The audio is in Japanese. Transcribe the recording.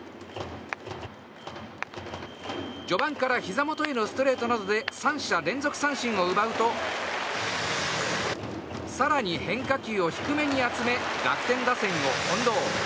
序盤からひざ元へのストレートなどで３者連続三振を奪うと更に変化球を低めに集め楽天打線を翻ろう。